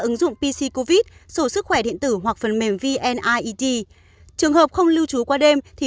hệ thống covid sổ sức khỏe điện tử hoặc phần mềm vnied trường hợp không lưu trú qua đêm thì